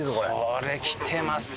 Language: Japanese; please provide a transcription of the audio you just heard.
これきてますね！